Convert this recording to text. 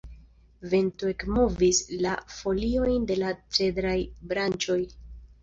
Vento ekmovis la foliojn de la cedraj branĉoj.